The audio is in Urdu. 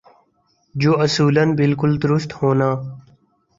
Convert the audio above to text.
جو اصولا بالکل درست ہونا ۔